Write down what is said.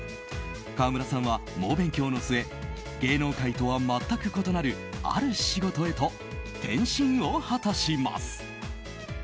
川村さんは猛勉強の末芸能界とは全く異なるある仕事へと転身を果たします。